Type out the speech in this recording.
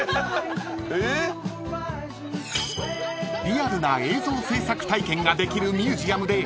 ［リアルな映像制作体験ができるミュージアムで］